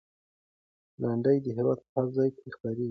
لنډۍ د هېواد په هر ځای کې خپرېږي.